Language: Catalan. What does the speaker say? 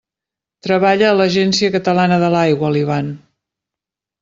Treballa a l'Agència Catalana de l'Aigua, l'Ivan.